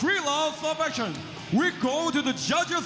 เราจะไปรับการชูมือ